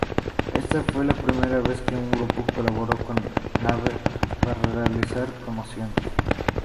Esta fue la primera vez que un grupo colaboró con Naver para realizar promociones.